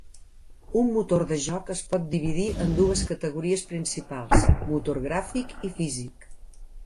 Un motor de joc es pot dividir en dues categories principals: motor gràfic i físic.